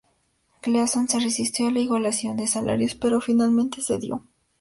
Gleason se resistió a la igualación de salarios pero finalmente cedió.